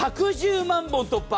１１０万本突破。